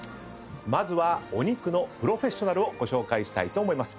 まずはお肉のプロフェッショナルをご紹介したいと思います。